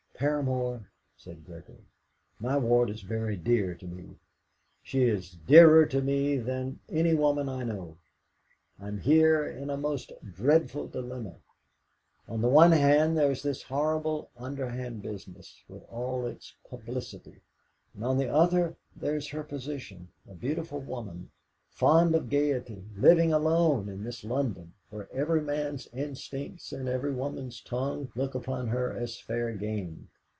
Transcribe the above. "Paramor," said Gregory, "my ward is very dear to me; she is dearer to me than any woman I know. I am here in a most dreadful dilemma. On the one hand there is this horrible underhand business, with all its publicity; and on the other there is her position a beautiful woman, fond of gaiety, living alone in this London, where every man's instincts and every woman's tongue look upon her as fair game.